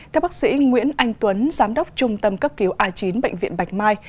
theo bác sĩ nguyễn anh tuấn giám đốc trung tâm cấp cứu a chín bệnh viện bạch mai